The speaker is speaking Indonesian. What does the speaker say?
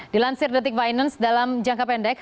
dilansir detik finance dalam jangka pendek